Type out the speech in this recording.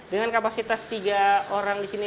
dengan kapasitas tiga orang di sini